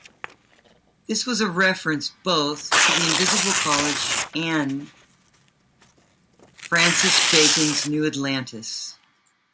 This was a reference both to the Invisible College and Francis Bacon's New Atlantis.